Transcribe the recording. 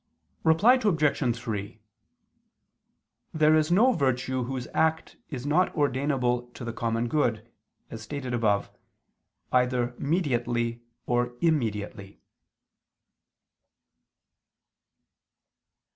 Reply Obj. 3: There is no virtue whose act is not ordainable to the common good, as stated above, either mediately or immediately.